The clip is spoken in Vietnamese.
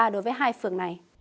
đối với hai phường này